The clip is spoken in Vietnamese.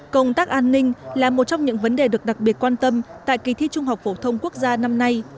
công tác an ninh là một trong những vấn đề được đặc biệt quan tâm tại kỳ thi trung học phổ thông quốc gia năm nay